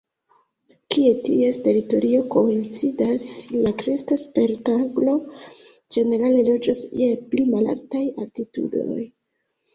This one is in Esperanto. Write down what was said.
Kie ties teritorio koincidas, la Kresta serpentaglo ĝenerale loĝas je pli malaltaj altitudoj.